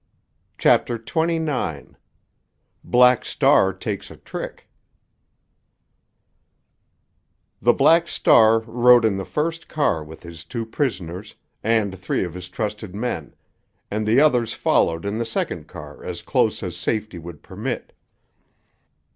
CHAPTER XXIX—BLACK STAR TAKES A TRICK The Black Star rode in the first car with his two prisoners and three of his trusted men, and the others followed in the second car as close as safety would permit.